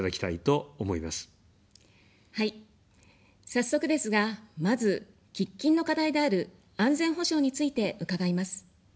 早速ですが、まず、喫緊の課題である安全保障について伺います。